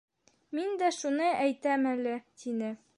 — Мин дә шуны әйтәм әле, — тине.